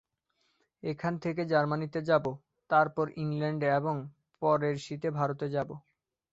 এখান থেকে জার্মানীতে যাব, তারপর ইংলণ্ডে এবং পরের শীতে ভারতে যাব।